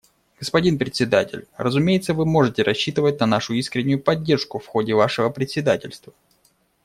Господин Председатель, разумеется, вы можете рассчитывать на нашу искреннюю поддержку в ходе вашего председательства.